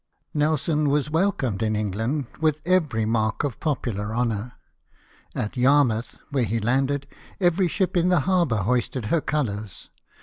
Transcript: Nelson was welcomed in England with eYeij mark ot popular honour. At Yarmouth, where he landed, every ship in the harbour hoisted her colours.